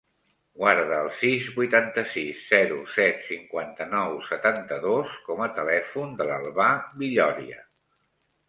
Guarda el sis, vuitanta-sis, zero, set, cinquanta-nou, setanta-dos com a telèfon de l'Albà Villoria.